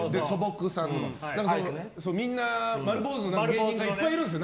みんな、丸坊主の芸人がいるんですよ